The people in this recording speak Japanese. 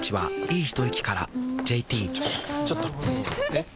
えっ⁉